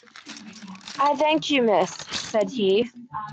"I thank you, miss," said he.